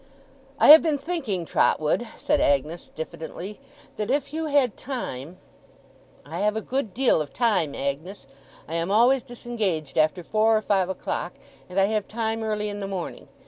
'I have been thinking, Trotwood,' said Agnes, diffidently, 'that if you had time ' 'I have a good deal of time, Agnes. I am always disengaged after four or five o'clock, and I have time early in the morning.